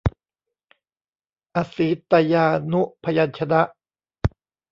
อสีตยานุพยัญชนะ